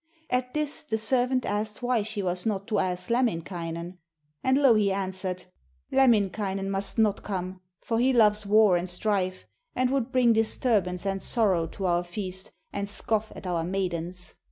At this the servant asked why she was not to ask Lemminkainen, and Louhi answered: 'Lemminkainen must not come, for he loves war and strife, and would bring disturbance and sorrow to our feast, and scoff at our maidens.'